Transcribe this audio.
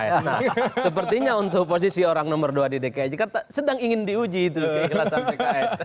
nah sepertinya untuk posisi orang nomor dua di dki jakarta sedang ingin diuji itu keikhlasan pks